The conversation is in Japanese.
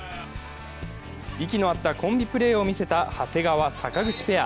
息の合ったコンビプレーを見せた長谷川・坂口ペア。